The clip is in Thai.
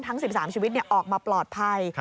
ทั้ง๑๓ชีวิตออกมาปลอดภัย